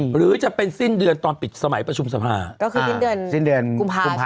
หรือจะเป็นสิ้นเดือนตอนปิดสมัยประชุมสภาพันธ์ก็คือสิ้นเดือนกุมภาพันธ์